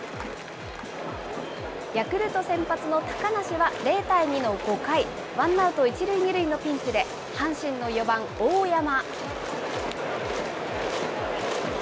ヤクルト先発の高梨は、０対２の５回、ワンアウト１塁２塁のピンチで阪神の４番大山。